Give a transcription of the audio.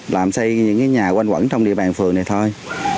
làm xây những cái nhà quanh quẩn trong địa bàn phường này thôi